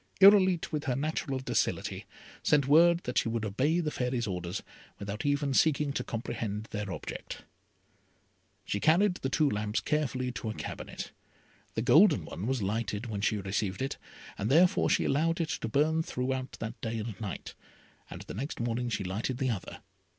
Irolite, with her natural docility, sent word that she would obey the Fairy's orders, without even seeking to comprehend their object. She carried the two lamps carefully to a cabinet. The golden one was lighted when she received it, and therefore she allowed it to burn throughout that day and night, and the next morning she lighted the other.